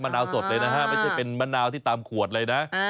นาวสดเลยนะฮะไม่ใช่เป็นมะนาวที่ตามขวดเลยนะ